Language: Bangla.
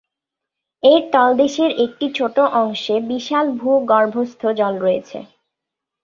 এর তলদেশের একটি ছোট অংশে বিশাল ভূগর্ভস্থ জল রয়েছে।